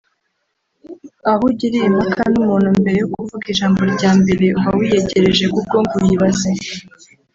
aho ugiriye impaka n’umuntu mbere yo kuvuga ijambo rya mbere uba wiyegereje google ngo uyibaze